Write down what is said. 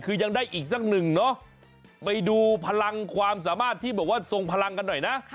คือยังได้อีกสักหนึ่งเนาะไปดูพลังความสามารถที่บอกว่าทรงพลังกันหน่อยนะ